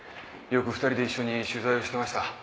よく２人で一緒に取材をしてました。